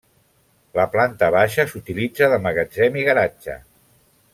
La planta baixa s'utilitza de magatzem i garatge.